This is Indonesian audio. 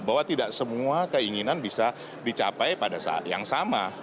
bahwa tidak semua keinginan bisa dicapai pada saat yang sama